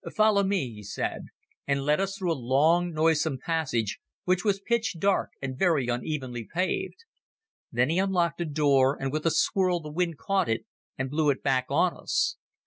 "Follow me," he said, and led us through a long, noisome passage, which was pitch dark and very unevenly paved. Then he unlocked a door and with a swirl the wind caught it and blew it back on us.